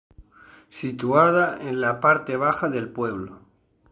Situada en la parte baja del pueblo.